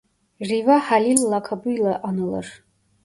Riva Halil lakabıyla anılır.